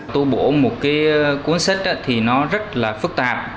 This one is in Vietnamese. tu bổ một cái cuốn sách thì nó rất là phức tạp